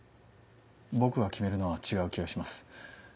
僕が決めるのは違う気がします。